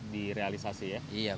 di realisasi ya